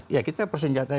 ya kita persenjatai